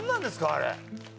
あれ。